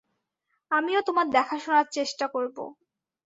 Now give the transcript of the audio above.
আমিও তোমার দেখাশোনার চেষ্টা করবো।